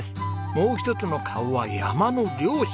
もう一つの顔は山の猟師！